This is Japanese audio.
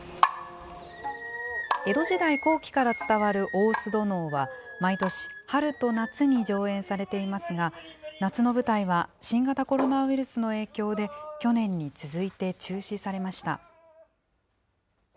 江戸時代後期から伝わる大須戸能は、毎年、春と夏に上演されていますが、夏の舞台は新型コロナウイルスの影響で、去年に続いて中止されました。